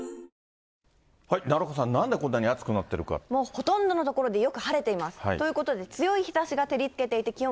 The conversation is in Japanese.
ほとんどの所でよく晴れてます。ということで、強い日ざしが照りつけていて、気温、